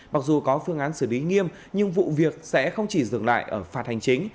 mặc dù có phương án xử lý nghiêm nhưng vụ việc sẽ không chỉ dừng lại ở phạt hành chính